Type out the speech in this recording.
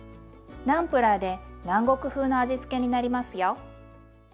ナンプラーで南国風の味付けになりますよ。